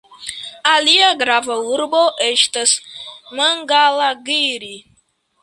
Alia grava urbo estas Mangalagiri.